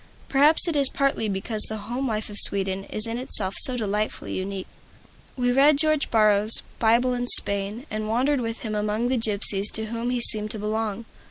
Perhaps it is partly because the home life of Sweden is in itself so delightfully unique. We read George Borrow's "Bible in Spain," and wandered with him among the gypsies to whom he seemed to belong.